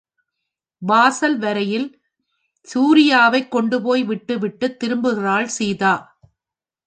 வாசல் வரையில் சூரியாவைக் கொண்டுபோய் விட்டு விட்டுத் திரும்புகிறாள் சீதா.